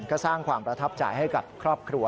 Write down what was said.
ก็สร้างความประทับใจให้กับครอบครัว